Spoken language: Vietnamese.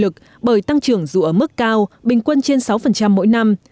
chúng ta cần dựa vào nội lực bởi tăng trưởng dù ở mức cao bình quân trên sáu mỗi năm